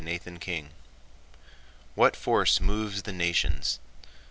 CHAPTER II What force moves the nations?